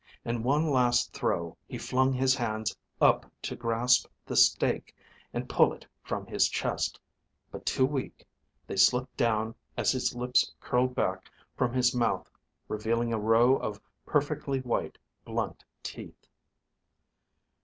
In one last throw, he flung his hands up to grasp the stake and pull it from his chest, but too weak, they slipped down as his lips curled back from his mouth revealing a row of perfectly white, blunt teeth.